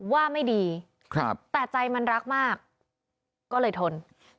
ว่าไม่ดีแต่ใจมันรักมากก็เลยทน